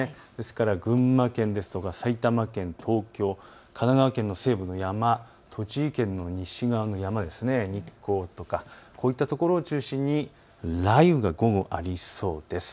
群馬県や埼玉県、東京、神奈川県の西部の山、栃木県の西側の山、こういったところを中心に雷雨が午後ありそうです。